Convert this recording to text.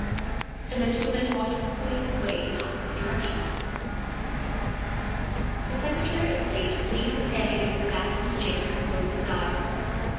And the two men walked quickly away in opposite directions. The Secretary of State leaned his head against the back of his chair and closed his eyes.